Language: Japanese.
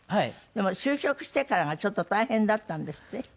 でも就職してからがちょっと大変だったんですって？